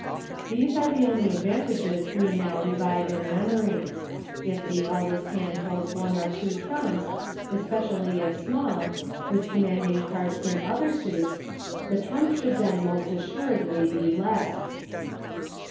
These are the only advan tages we now revive in memory. If the eldest hand holds one or two trumps, — espe cially if small, — with commanding cards in other suits, the trump should then most as suredly be led.